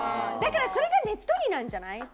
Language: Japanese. だからそれがねっとりなんじゃない？